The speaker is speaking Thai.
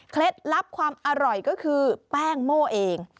ลับความอร่อยก็คือแป้งโม่เอง